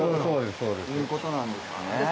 そうですということなんですね